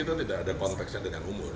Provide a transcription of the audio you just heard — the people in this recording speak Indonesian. itu tidak ada konteksnya dengan umur